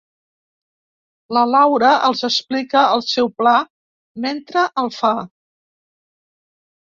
La Laura els explica el seu pla mentre el fa.